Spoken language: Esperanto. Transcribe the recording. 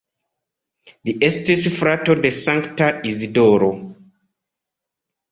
Li estis frato de Sankta Isidoro.